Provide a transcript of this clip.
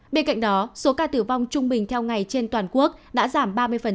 bên cạnh đó số ca tử vong trung bình theo ngày trên toàn quốc đã giảm ba mươi